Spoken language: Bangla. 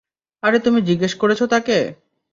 আর তুমি জিজ্ঞেস করেছো তাকে?